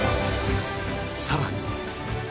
さらに。